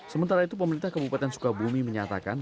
sementara itu pemerintah kabupaten sukabumi menyatakan